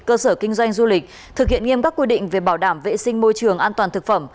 cơ sở kinh doanh du lịch thực hiện nghiêm các quy định về bảo đảm vệ sinh môi trường an toàn thực phẩm